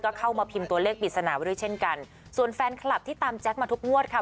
ก็เข้ามาพิมพ์ตัวเลขปริศนาไว้ด้วยเช่นกันส่วนแฟนคลับที่ตามแจ๊คมาทุกงวดค่ะ